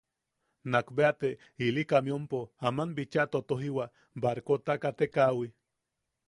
Nakbea te ili kamiompo aman bicha totojiwa barkota katekaʼawi.